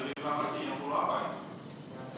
di rekomendasi yang perlu apa ini